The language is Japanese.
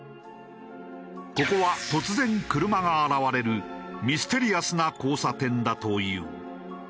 ここは突然車が現れるミステリアスな交差点だという。